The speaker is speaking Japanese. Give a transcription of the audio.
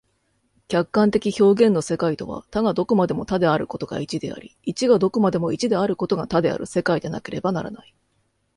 客観的表現の世界とは、多がどこまでも多であることが一であり、一がどこまでも一であることが多である世界でなければならない。